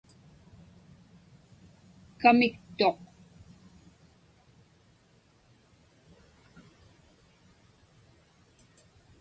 Kamiktuq.